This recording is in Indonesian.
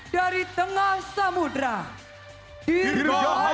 dari tengah tengah kita